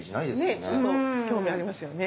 ねちょっと興味ありますよね。